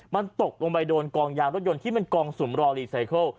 มันตกลงไปโดนกองยางรถยนต์ที่มันกองสุมรอรีไซเคิล